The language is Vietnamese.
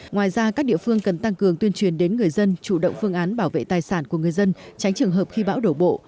ngoài ra các địa phương cần tăng cường tuyên truyền đến người dân chủ động phương án bảo vệ tài sản của người dân tránh trường hợp khi bão đổ bộ